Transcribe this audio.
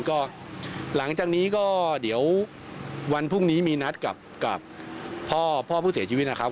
ก็หลังจากนี้ก็เดี๋ยววันพรุ่งนี้มีนัดกับพ่อพ่อผู้เสียชีวิตนะครับ